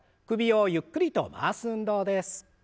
首をゆっくりと回す運動です。